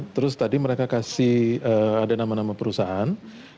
terus tadi mereka kasih ada nama nama perusahaan